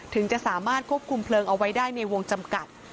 ถึงจะสามารถควบคุมเพลิงเอาไว้ได้ในวงจำกัด